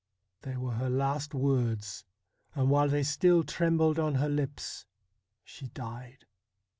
' They were her last words, and while they still trembled on her lips she died.'